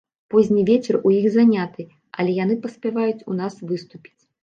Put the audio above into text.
Позні вечар у іх заняты, але яны паспяваюць у нас выступіць!